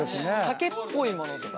竹っぽいものとか。